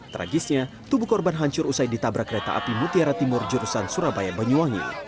tragisnya tubuh korban hancur usai ditabrak kereta api mutiara timur jurusan surabaya banyuwangi